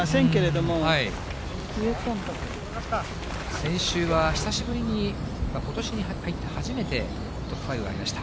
今、先週は久しぶりに、ことしに入って初めて、トップ５に入りました。